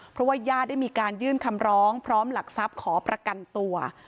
เพราะว่าญาติได้มีการยื่นคำร้องพร้อมหลักทรัพย์ขอประกันตัว